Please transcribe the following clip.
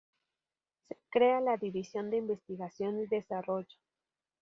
Se crea la División de Investigación y Desarrollo.